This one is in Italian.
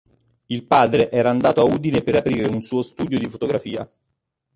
Il padre era andato a Udine per aprire un suo studio di fotografia.